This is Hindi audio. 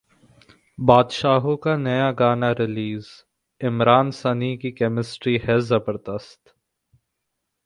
बादशाहो का नया गाना रिलीज, इमरान-सनी की केमिस्ट्री है जबरदस्त